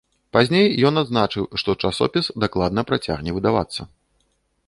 Пазней ён адзначыў, што часопіс дакладна працягне выдавацца.